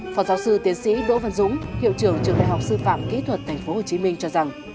phó giáo sư tiến sĩ đỗ văn dũng hiệu trưởng trường đại học sư phạm kỹ thuật tp hcm cho rằng